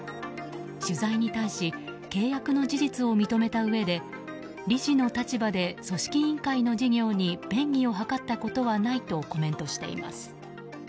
取材に対し、契約の事実を認めたうえで、理事の立場で組織委員会の事業に便宜を図ったことはないとコメントしています。